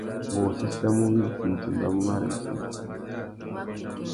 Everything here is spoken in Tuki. Ngú wô séssamú widuï ; nʼtimbamú marremsana.